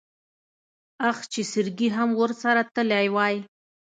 اخ چې سرګي ام ورسره تلی وای.